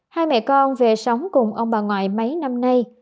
hai mẹ con về sống cùng ông bà ngoại mấy năm nay